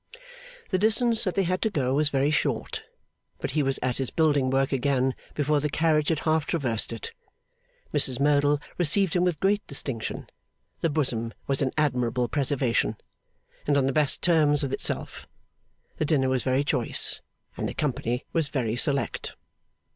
The distance that they had to go was very short, but he was at his building work again before the carriage had half traversed it. Mrs Merdle received him with great distinction; the bosom was in admirable preservation, and on the best terms with itself; the dinner was very choice; and the company was very select.